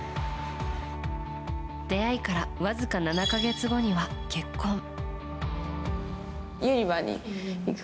出会いからわずか７か月後には結婚。